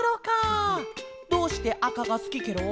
どうしてあかがすきケロ？